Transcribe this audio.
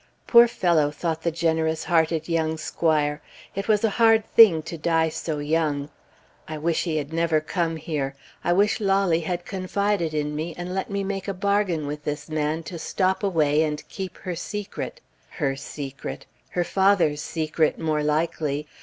"Poor fellow!" thought the generous hearted young squire; "it was a hard thing to die so young. I wish he had never come here. I wish Lolly had confided in me, and let me made a bargain with this man to stop away and keep her secret. Her secret! her father's secret more likely.